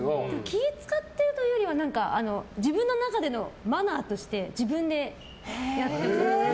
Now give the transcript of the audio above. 気を使ってるというよりは自分の中でのマナーとして自分でやってます。